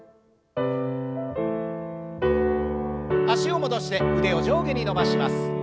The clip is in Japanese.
脚を戻して腕を上下に伸ばします。